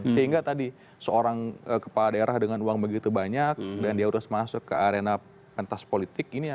sehingga tadi seorang kepala daerah dengan uang begitu banyak dan dia harus masuk ke arena pentas politik